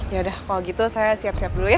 yaudah kalau gitu saya siap siap dulu ya